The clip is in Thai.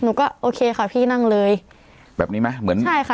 หนูก็โอเคค่ะพี่นั่งเลยแบบนี้ไหมเหมือนใช่ค่ะ